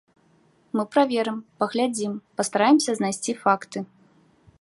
Мы праверым, паглядзім, пастараемся знайсці факты.